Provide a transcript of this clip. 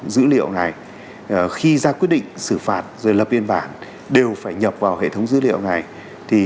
dữ liệu này khi ra quyết định xử phạt rồi lập biên bản đều phải nhập vào hệ thống dữ liệu này